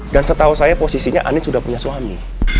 dan setahu saya posisinya andin sudah punya suami